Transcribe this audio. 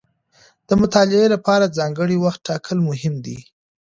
د مطالعې لپاره ځانګړی وخت ټاکل مهم دي.